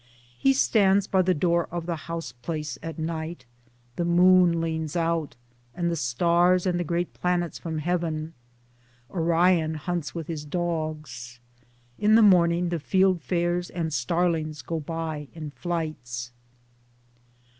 He stands by the door of the house place at night; the moon leans out, and the stars and the great planets from heaven ; Orion hunts with his dogs. In the morning the field fares and starlings go by in flights.